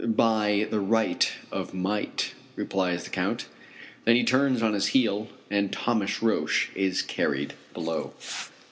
"By the right of might," replies the Count. Then he turns on his heel, and Thomas Roch is carried below.